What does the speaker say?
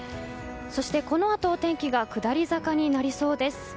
そしてこのあとお天気が下り坂になりそうです。